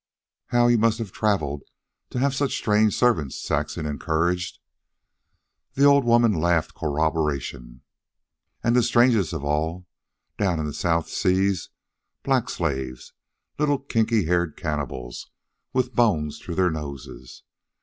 "How you must have traveled to have such strange servants!" Saxon encouraged. The old woman laughed corroboration. "And the strangest of all, down in the South Seas, black slaves, little kinky haired cannibals with bones through their noses.